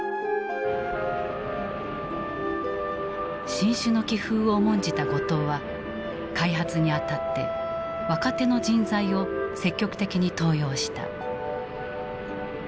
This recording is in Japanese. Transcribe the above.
進取の気風を重んじた後藤は開発に当たって若手の人材を積極的に登用した。